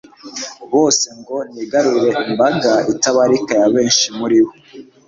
bose, ngo nigarurire imbaga itabarika ya benshi muri bo